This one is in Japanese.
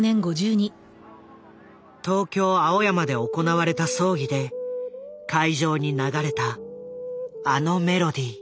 東京・青山で行われた葬儀で会場に流れたあのメロディー。